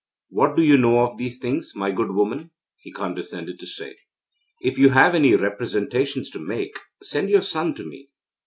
'What do you know of these things, my good woman?' he condescended to say. 'If you have any representations to make, send your son to me.'